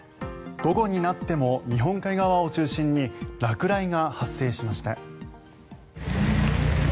午後になっても日本海側を中心に落雷が発生しました。